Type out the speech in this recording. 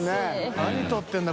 「何撮ってんだよ